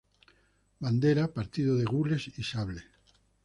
Bandera: Partido de gules y sable.